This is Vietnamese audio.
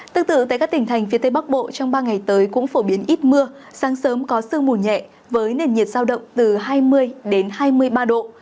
tương tự tại các tỉnh thành phía tây bắc bộ trong ba ngày tới cũng phổ biến ít mưa sáng sớm có sương mù nhẹ với nền nhiệt sao động từ hai mươi hai mươi ba độ